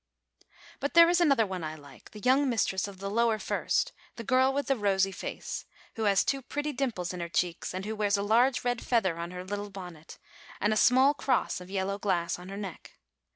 But there is another one I like, the young mistress of the lower first, the girl with the rosy face, who has two pretty dimples in her cheeks, and who wears a large red feather on her little bonnet, and a small cross of yellow glass on her neck.